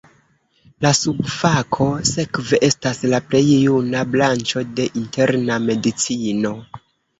La subfako sekve estas la plej juna branĉo de interna medicino.